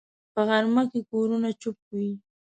په غرمه کې کورونه چوپ وي